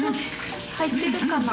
入ってるかな。